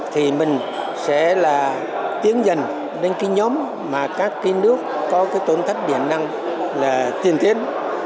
thì mình sẽ là tiến dần đến cái nhóm mà các cái nước có cái tổn thất điện năng là tiên tiến